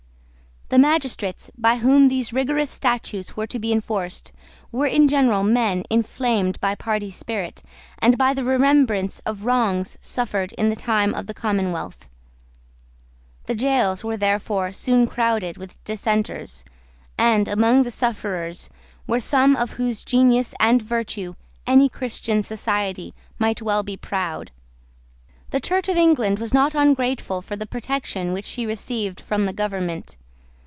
The magistrates, by whom these rigorous statutes were to be enforced, were in general men inflamed by party spirit and by the remembrance of wrongs suffered in the time of the commonwealth. The gaols were therefore soon crowded with dissenters, and, among the sufferers, were some of whose genius and virtue any Christian society might well be proud. The Church of England was not ungrateful for the protection which she received from the government.